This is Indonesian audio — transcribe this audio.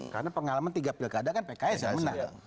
karena pengalaman tiga pilkada kan pks yang menang